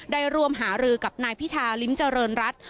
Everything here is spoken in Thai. ได้ร่วมหารือกับนายพิธาลิ้มเจริญรัฐ